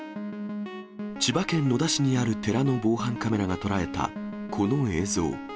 千葉県野田市にある寺の防犯カメラが捉えたこの映像。